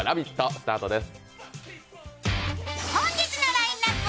スタートです。